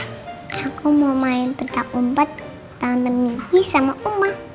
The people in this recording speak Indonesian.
aku mau main petak umpet tante michi sama oma